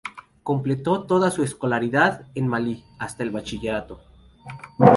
Completó toda su escolaridad en Malí hasta el bachillerato.